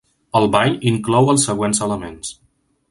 El ball inclou els següents elements.